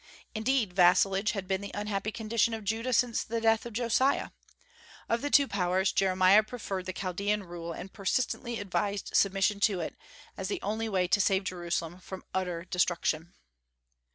Indeed, vassalage had been the unhappy condition of Judah since the death of Josiah. Of the two powers Jeremiah preferred the Chaldean rule, and persistently advised submission to it, as the only way to save Jerusalem from utter destruction.